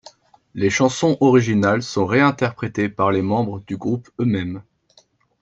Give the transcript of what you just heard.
Les chansons originales sont réinterprétées par les membres du groupe eux-mêmes.